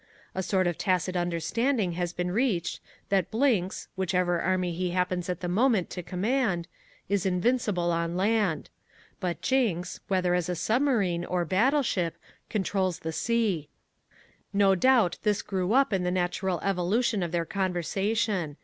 A sort of tacit understanding has been reached that Blinks, whichever army he happens at the moment to command, is invincible on land. But Jinks, whether as a submarine or a battleship, controls the sea. No doubt this grew up in the natural evolution of their conversation.